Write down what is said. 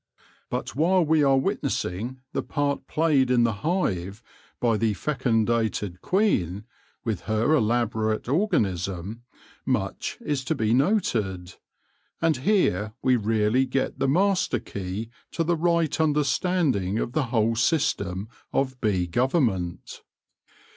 But while we are witnessing the part played in the hive by the fecundated queen, with her elaborate organism, much is to be noted ; and here we really get the master key to the right understanding of the whole system of bee government.